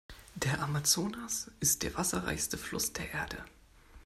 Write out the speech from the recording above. Der Amazonas ist der Wasserreichste Fluss der Erde.